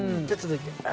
じゃあ続いて。